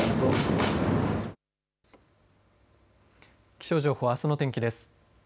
気象情報、あすの天気です。